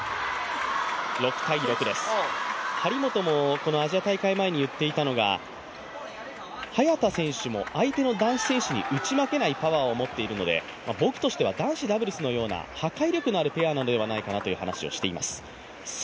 張本もこのアジア大会前に言っていたのが早田選手も相手の男子選手に打ち負けないパワーを持っているので僕としては男子ダブルスのような破壊力のあるペアなのではないかと話をしています。